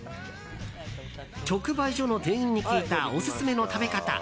直売所の店員に聞いたオススメの食べ方。